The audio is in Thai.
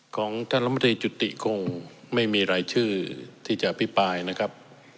ของท่านรัฐมนตรีจุติคงไม่มีรายชื่อที่จะอภิปรายนะครับ